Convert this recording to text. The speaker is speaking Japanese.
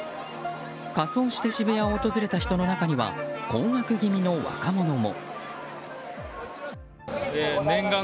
仮装して渋谷を訪れた人の中には困惑気味の若者も。